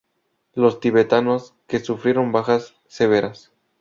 Los Tibetanos que sufrieron bajas severas.